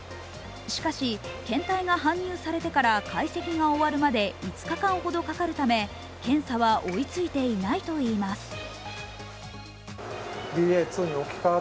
しかし、検体が搬入されてから解析が終わるまで５日間ほどかかるため検査は追いついていないといいます。